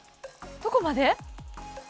どこまで？